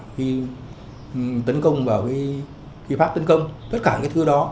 khi tấn công vào khi phát tấn công tất cả cái thứ đó